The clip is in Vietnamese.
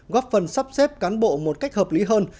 góp phần sắp xếp cán bộ một cách hợp lý hơn